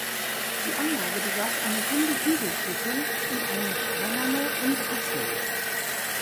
Die Anlage besaß eine runde Hügelschüttung und eine steinerne Umfassung.